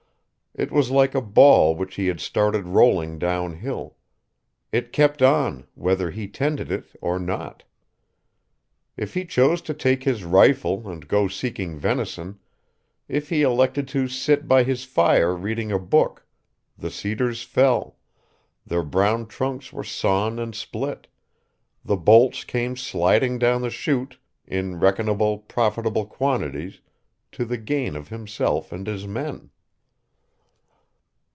It was like a ball which he had started rolling down hill. It kept on, whether he tended it or not. If he chose to take his rifle and go seeking venison, if he elected to sit by his fire reading a book, the cedars fell, their brown trunks were sawn and split, the bolts came sliding down the chute in reckonable, profitable quantities, to the gain of himself and his men.